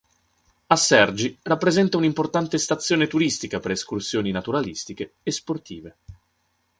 Assergi rappresenta un'importante stazione turistica per escursioni naturalistiche e sportive.